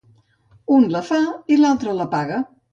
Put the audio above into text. Un la fa i altre la paga.